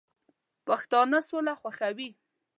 پښتانه سوله خوښوي